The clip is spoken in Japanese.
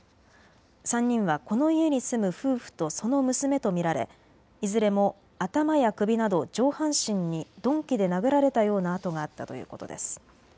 ３人はこの家に住む夫婦とその娘とみられいずれも頭や首など上半身に鈍器で殴られたような跡があったということです。